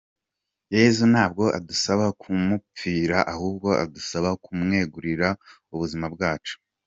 Yesu ntabwo adusaba kumupfira, ahubwo adusaba kumwegurira ubuzima bwacu.